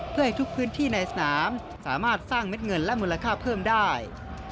เพื่อให้ทุกพื้นที่ในสนามสามารถสร้างเม็ดเงินและมูลค่าเพิ่มได้